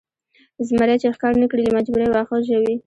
زمری چې ښکار نه کړي له مجبورۍ واښه ژوي.